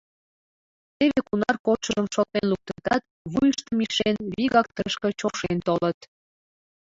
Теве кунар кодшыжым шотлен луктытат, вуйыштым ишен, вигак тышке чошен толыт.